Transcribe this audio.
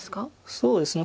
そうですね。